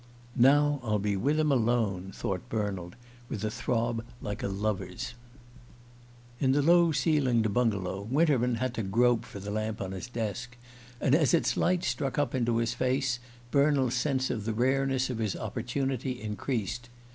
"Now I'll be with him alone!" thought Bernald, with a throb like a lover's. In the low ceilinged bungalow Winterman had to grope for the lamp on his desk, and as its light struck up into his face Bernald's sense of the rareness of his opportunity increased.